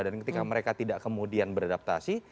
dan ketika mereka tidak kemudian beradaptasi